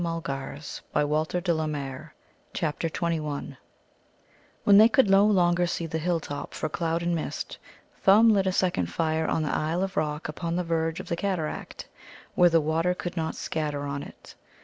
CHAPTER XXI When they could no longer see the hilltop for cloud and mist, Thumb lit a second fire on the isle of rock upon the verge of the cataract, where the water could not scatter on it.